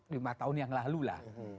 lima tahun yang lalu lah